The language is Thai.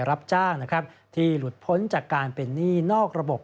รับจ้างนะครับที่หลุดพ้นจากการเป็นหนี้นอกระบบ